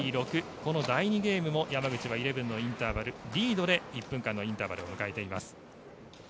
この第２ゲームも山口は１１のインターバルリードで１分間のインターバルを迎えています。